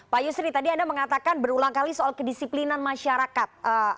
pak yusri tadi anda mengatakan berulang kali soal kedisiplinan masyarakat